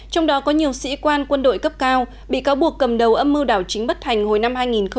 trong đó có nhiều sĩ quan quân đội cấp cao bị cáo buộc cầm đầu âm mưu đảo chính bất thành hồi năm hai nghìn một mươi